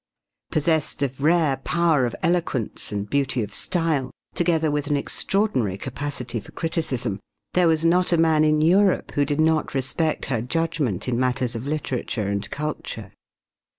Possessed of rare power of eloquence and beauty of style, together with an extraordinary capacity for criticism, there was not a man in Europe who did not respect her judgment in matters of literature and culture.